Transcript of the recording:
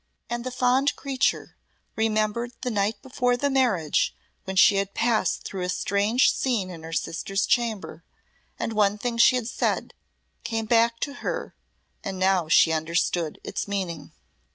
And the fond creature remembered the night before the marriage when she had passed through a strange scene in her sister's chamber, and one thing she had said came back to her, and now she understood its meaning.